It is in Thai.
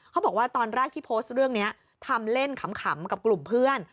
เขาบอกว่าตอนแรกที่โพสต์เรื่องนี้ทำเล่นขำกับกลุ่มเพื่อน